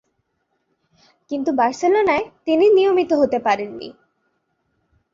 কিন্তু বার্সেলোনায় তিনি নিয়মিত হতে পারেন নি।